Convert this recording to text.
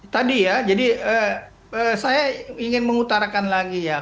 tadi ya jadi saya ingin mengutarakan lagi ya